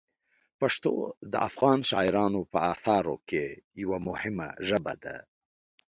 پښتو د افغان شاعرانو په اثارو کې یوه مهمه ژبه ده.